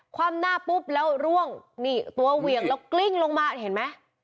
ความหน้าปุ๊บแล้วร่วงนี่ตัวเหวี่ยงแล้วกลิ้งลงมาเห็นไหม